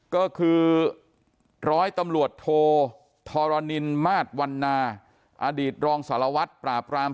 ก็คือร้อยตำรวจโทธรณินมาตรวันนาอดีตรองสารวัตรปราบราม